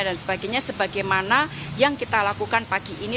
dan sebagainya sebagaimana yang kita lakukan pagi ini